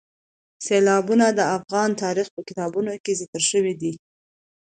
سیلابونه د افغان تاریخ په کتابونو کې ذکر شوی دي.